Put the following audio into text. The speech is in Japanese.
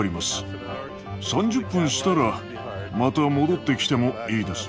３０分したらまた戻ってきてもいいですよ。